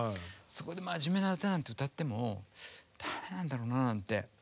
そこでまじめな歌なんて歌ってもダメなんだろうななんて。